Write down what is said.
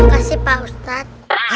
kasih pak ustaz